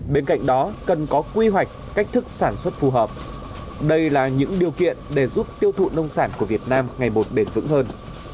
bên cạnh đó cần có quy hoạch cách thức sản xuất phù hợp đây là những điều kiện để giúp tiêu thụ nông sản của việt nam ngày một bền vững hơn